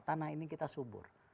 tanah ini kita subur